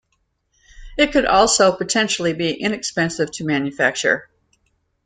It could also potentially be inexpensive to manufacture.